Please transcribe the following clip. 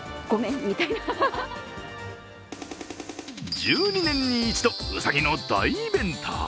１２年に一度、うさぎの大イベント。